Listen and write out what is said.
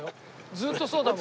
ずーっとそうだもん。